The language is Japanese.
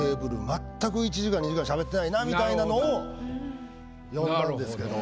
まったく１時間２時間しゃべってないなみたいなのを詠んだんですけど。